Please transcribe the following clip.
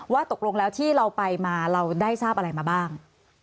ตกลงแล้วที่เราไปมาเราได้ทราบอะไรมาบ้าง